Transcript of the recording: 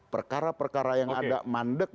perkara perkara yang ada mandek